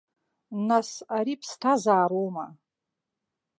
Нас ари ԥсҭазаароума?